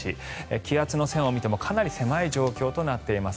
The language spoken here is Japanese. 気圧の線を見てもかなり狭い状況となっています。